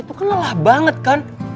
aku kan lelah banget kan